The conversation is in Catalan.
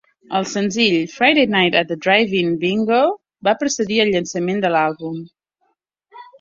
El senzill "Friday Night at the Drive-in Bingo" va precedir el llançament de l'àlbum.